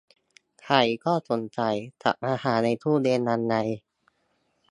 ไขข้อสงสัย จัดอาหารในตู้เย็นยังไง